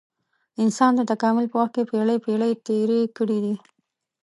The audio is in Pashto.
انسان د تکامل په وخت کې پېړۍ پېړۍ تېرې کړې دي.